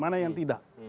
mana yang tidak